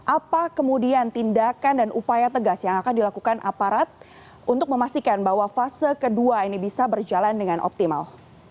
apa kemudian tindakan dan upaya tegas yang akan dilakukan aparat untuk memastikan bahwa fase kedua ini bisa berjalan dengan optimal